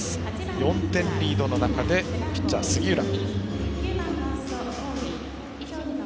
４点リードの中でピッチャー、杉浦。